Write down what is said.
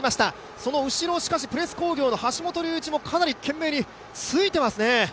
その後ろ、プレス工業の橋本龍一も懸命についてますね。